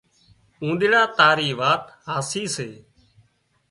اونۮيڙا تاري وات هاسي سي